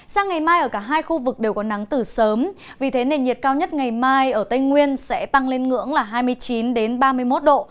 sang ngày mai ở cả hai khu vực đều có nắng từ sớm vì thế nền nhiệt cao nhất ngày mai ở tây nguyên sẽ tăng lên ngưỡng là hai mươi chín ba mươi một độ